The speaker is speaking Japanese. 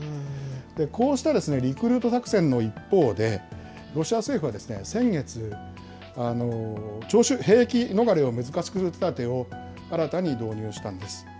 こうしたリクルート作戦の一方で、ロシア政府は先月、兵役逃れを難しくする手だてを新たに導入したんです。